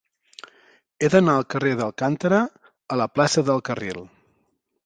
He d'anar del carrer d'Alcántara a la plaça del Carril.